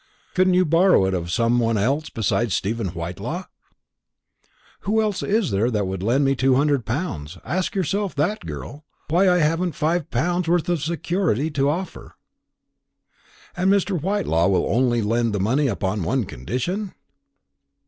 "Couldn't you borrow it of some one else besides Stephen Whitelaw?" "Who else is there that would lend me two hundred pounds? Ask yourself that, girl. Why, I haven't five pounds' worth of security to offer." "And Mr. Whitelaw will only lend the money upon one condition?"